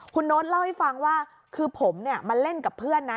คุณโน๊ตเล่าให้ฟังว่าคือผมเนี่ยมาเล่นกับเพื่อนนะ